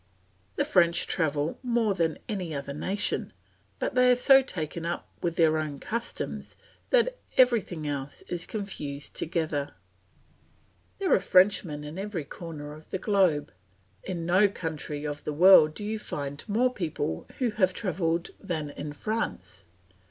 The French travel more than any other nation, but they are so taken up with their own customs, that everything else is confused together. There are Frenchmen in every corner of the globe. In no country of the world do you find more people who have travelled than in France.